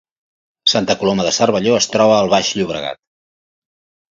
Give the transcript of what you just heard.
Santa Coloma de Cervelló es troba al Baix Llobregat